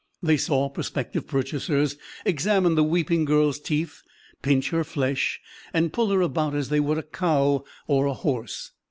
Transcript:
They saw prospective purchasers examine the weeping girl's teeth, pinch her flesh and pull her about as they would a cow or a horse.